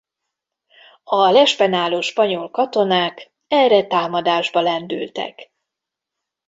A lesben álló spanyol katonák erre támadásba lendültek.